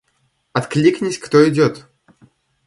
Откликнись кто идёт!